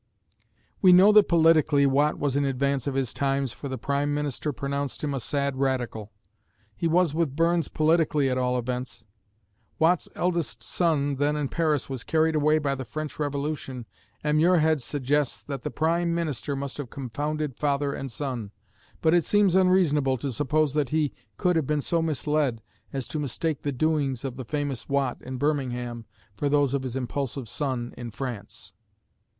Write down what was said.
We know that politically Watt was in advance of his times for the prime minister pronounced him "a sad radical." He was with Burns politically at all events. Watt's eldest son, then in Paris, was carried away by the French Revolution, and Muirhead suggests that the prime minister must have confounded father and son, but it seems unreasonable to suppose that he could have been so misled as to mistake the doings of the famous Watt in Birmingham for those of his impulsive son in France.